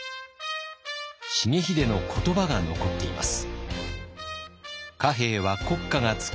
重秀の言葉が残っています。